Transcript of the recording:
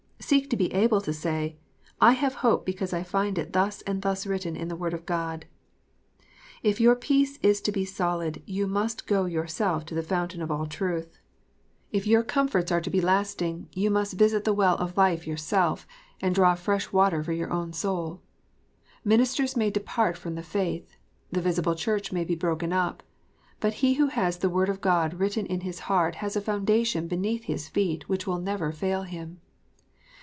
Seek to be able to say, " I have hope, because I find it thus and thus written in the Word of God." If your peace is to be solid, you must go your self to the Fountain of all Truth. If your comforts are to be THE FALLIBILITY OF MINISTERS. 371 lasting, you must visit the well of life yourself, and draw fresh water for your own soul. Ministers may depart from the faith. The visible Church may be broken up. But he who has the Word of God written in his heart has a foundation beneath his feet which will never fail him.